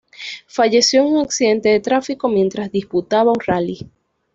Falleció en un accidente de tráfico mientras disputaba un Rally.